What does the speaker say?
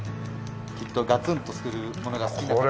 きっとガツンとくるものが好きな方は。